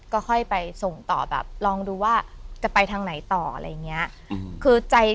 ก็ค่อยไปส่งต่อแบบลองดูว่าจะไปทางไหนต่ออะไรอย่างนี้